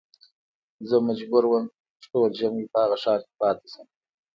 زه مجبور وم چې ټول ژمی په هغه ښار کې پاته شم.